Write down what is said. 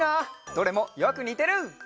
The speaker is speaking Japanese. どれもよくにてる！